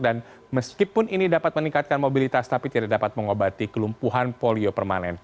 dan meskipun ini dapat meningkatkan mobilitas tapi tidak dapat mengobati kelumpuhan polio permanen